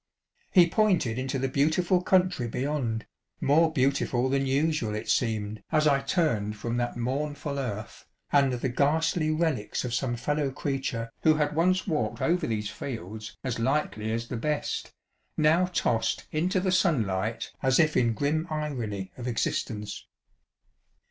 He pointed into the beautiful country beyond, more beautiful than usual it seemed as I turned from that mournful earth, and the ghastly relics of some fellow creature who had once walked over these fields as lightly as the best, now tossed into the sunlight as if in grim irony of existence.